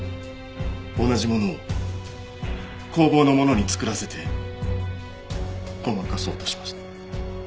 同じものを工房の者に作らせてごまかそうとしました。